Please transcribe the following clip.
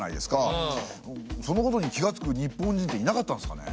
そのことに気がつく日本人っていなかったんですかね。